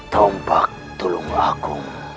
tombak tulung aku